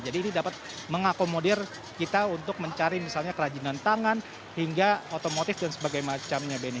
jadi ini dapat mengakomodir kita untuk mencari misalnya kerajinan tangan hingga otomotif dan sebagainya benny